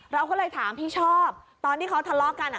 เราก็เลยถามพี่ชอบตอนที่เขาทะเลาะกัน